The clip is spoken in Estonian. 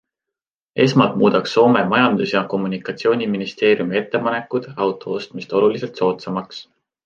Esmalt muudaks Soome majandus- ja kommunikatsiooniministeeriumi ettepanekud auto ostmist oluliselt soodsamaks.